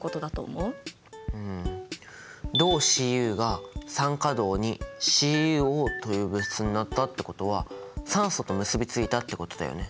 うん銅Ｃｕが酸化銅ＣｕＯという物質になったってことは酸素と結びついたってことだよね。